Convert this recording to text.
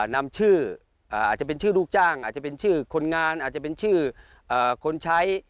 นำชื่ออาจจะเป็นชื่อลูกจ้างอาจจะเป็นชื่อคนงานอาจจะเป็นชื่อคนใช้